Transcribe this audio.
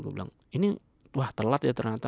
gue bilang ini wah telat ya ternyata